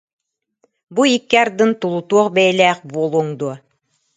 Бу икки ардын тулутуох бэйэлээх буолуоҥ дуо